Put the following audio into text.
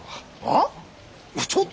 あっ？